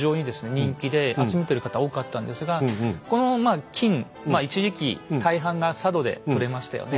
人気で集めてる方多かったんですがこの金一時期大半が佐渡で採れましたよね。